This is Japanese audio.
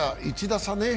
１打差ね。